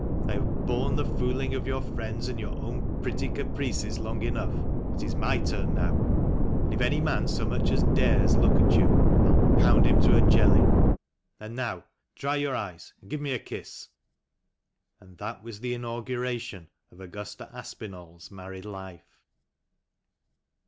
I have borne the fooling of your friends and your own pretty caprices long enough. It is my turn now ; and if any man so much as dares to look at you I'll pound him to a jelly! And now dry your eyes and give me a kiss!" And that was the inauguration of Augusta ApinalPs married life.